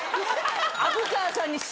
虻川さんに。